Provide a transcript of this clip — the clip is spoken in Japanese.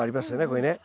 これね。